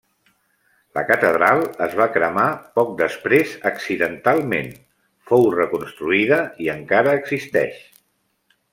La catedral es va cremar poc després accidentalment; fou reconstruïda i encara existeix.